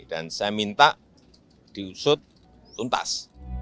dan saya minta diusut tuntas